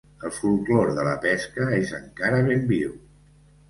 El folklore de la pesca és encara ben viu.